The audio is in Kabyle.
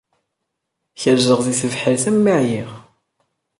Kerzeɣ di tebḥirt armi ɛyiɣ.